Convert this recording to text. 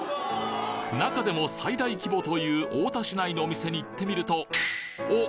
中でも最大規模という太田市内のお店に行ってみるとおっ！